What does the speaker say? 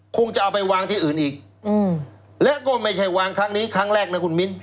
คงจะเอาไปวางที่อื่นอีกและก็ไม่ใช่วางครั้งนี้ครั้งแรกนะคุณมิ้น